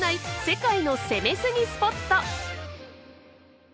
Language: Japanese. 世界の「攻めすぎ！？スポット」。